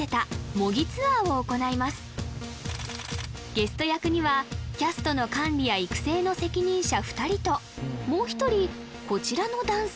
ゲスト役にはキャストの管理や育成の責任者２人ともう一人こちらの男性